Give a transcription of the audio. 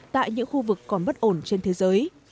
tại những khu vực còn bất ổn trên thế giới